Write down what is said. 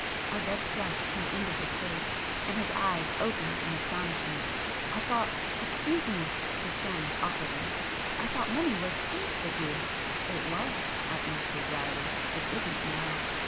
A red flush came into his face, and his eyes opened in astonishment. "I thought ... excuse me ..." he stammered awkwardly; "I thought money was scarce with you——" "It was," I answered drily—"It isn't now."